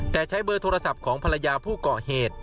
แต่ใช้เบอร์โทรศัพท์ของภรรยาผู้ก่อเหตุ